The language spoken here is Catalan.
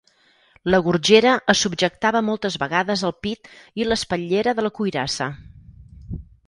La gorgera es subjectava moltes vegades al pit i l"espatllera de la cuirassa.